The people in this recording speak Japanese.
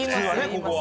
ここは。